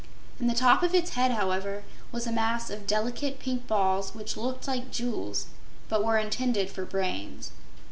In the top of its head, however, was a mass of delicate pink balls which looked like jewels but were intended for brains.